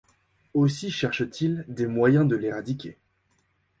Aussi cherche-t-il les moyens de l'éradiquer.